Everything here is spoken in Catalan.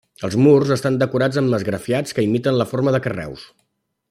Els murs estan decorats amb esgrafiats que imiten la forma de carreus.